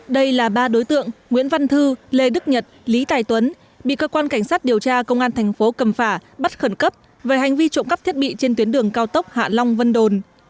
đây là ba đối tượng nguyễn văn thư lê đức nhật lý tài tuấn bị cơ quan cảnh sát điều tra công an thành phố cầm phả bắt khẩn cấp về hành vi trộm cắp thiết bị trên tuyến đường cao tốc hạ long vân đồn